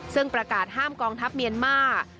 ซึ่งประกาศห้ามกองทัพเมียนมาร์